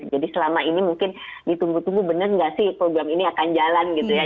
jadi selama ini mungkin ditunggu tunggu benar nggak sih program ini akan jalan gitu ya